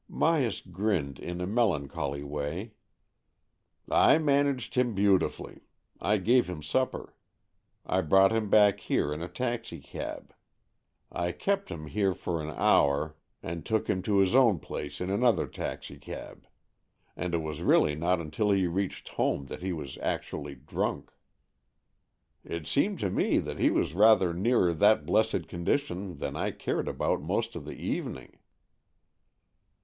" Myas grinned in a melancholy way. " I managed him beautifully. I gave him supper. I brought him back here in a taxi cab. I kept him here for an hour, and took 48 AN EXCHANGE OF SOULS him to his own place in another taxicab. And it was really not until he reached home that he was actually drunk." '' It seemed to me that he was rather nearer that blessed condition than I cared about most of the evening."